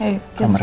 ayo kita besarnya